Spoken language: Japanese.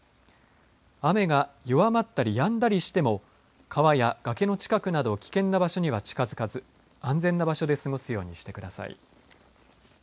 雨が弱まったり、やんだりしても川や崖の近くなど危険な場所には近づかず安全な場所で過ごすようにしてください。